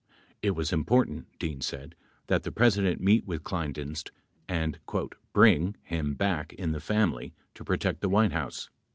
It was important, Dean said, that the President meet with Kleindienst and "bring [him] back in the family to protect the White House